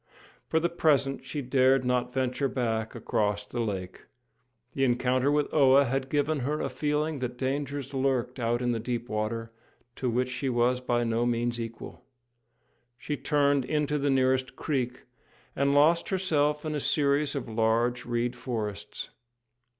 For the present she dared not venture back across the lake. The encounter with Oa had given her a feeling that dangers lurked out in the deep water, to which she was by no means equal. She turned into the nearest creek, and lost herself in a series of large reed forests.